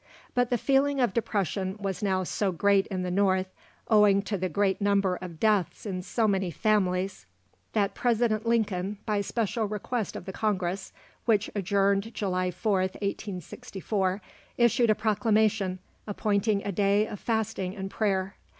But the feeling of depression was now so great in the North, owing to the great number of deaths in so many families, that President Lincoln, by special request of the Congress which adjourned July 4th, 1864 issued a proclamation, appointing a day of fasting and prayer.